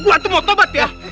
gua tuh mau tobat ya